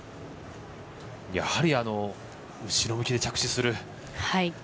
やはり、後ろ向きで着地する。